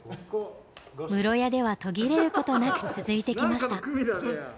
室谷では途切れる事なく続いてきました。